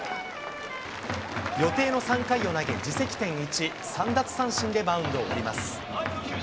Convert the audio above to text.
予定の３回を投げ、自責点１、３奪三振でマウンドを降ります。